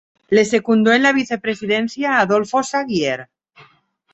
Le secundó en la vicepresidencia, Adolfo Saguier.